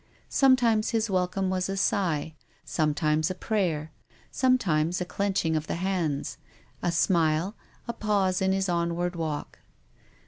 Sometimes his welcome was a sigh, sometimes a prayer, some times a clenching of the hands, a smile, a pause in his onward walk.